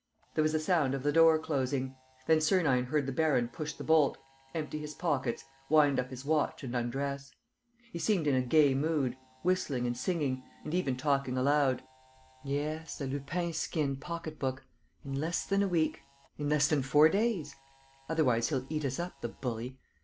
There was a sound of the door closing. Then Sernine heard the baron push the bolt, empty his pockets, wind up his watch and undress. He seemed in a gay mood, whistling and singing, and even talking aloud: "Yes, a Lupin skin pocket book ... in less than a week ... in less than four days! ... Otherwise he'll eat us up, the bully!